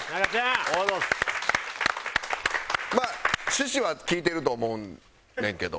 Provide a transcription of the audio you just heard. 趣旨は聞いてると思うねんけど。